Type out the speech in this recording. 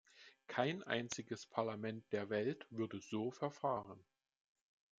Kein einziges Parlament der Welt würde so verfahren.